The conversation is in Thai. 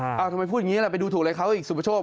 ทำไมพูดอย่างนี้ไปดูถูกเลยเขาอีกสุดยอด